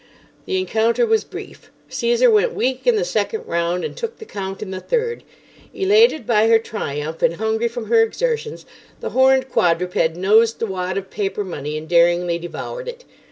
The encounter was brief. Caesar went weak in the second round, and took the count in the third. Elated by her triumph, and hungry from her exertions, the horned quadruped nosed the wad of paper money and daringly devoured it.